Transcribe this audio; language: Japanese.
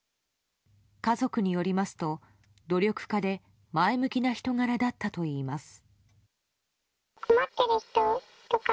家族によりますと努力家で前向きな人柄だったといいます。